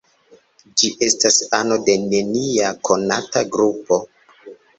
Ĝi estas ano de nenia konata grupo.